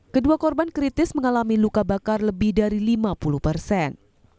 kedua korban kritis mengalami luka bakar lebih dari lima puluh persen